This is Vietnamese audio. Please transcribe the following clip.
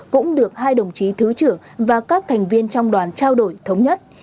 cũng được hai đồng chí thứ trưởng và các thành viên trong đoàn trao đổi thống nhất